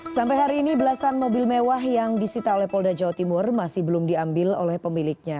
sampai hari ini belasan mobil mewah yang disita oleh polda jawa timur masih belum diambil oleh pemiliknya